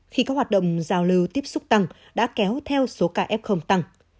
khi các hoạt động giao lưu tiếp xúc tăng đã kéo theo số ca f tăng